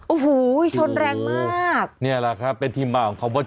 โอ้โฮชนแรงมากเนี่ยแหละครับเป็นทีมบ้างของบทเจ้า